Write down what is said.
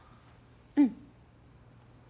うん。